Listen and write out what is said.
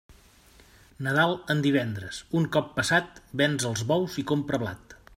Nadal en divendres, un cop passat, ven els bous i compra blat.